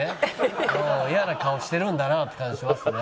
嫌な顔してるんだなって感じしますね。